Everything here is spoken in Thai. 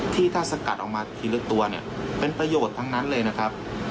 ที่ถ้าสกัดออกมาทีละตัวเนี่ยเป็นประโยชน์ทั้งนั้นเลยนะครับ